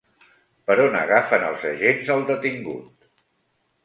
Per on agafen els agents al detingut?